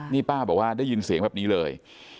นี่ป้าบอกว่าได้ยินเสียงแบบนี้เลย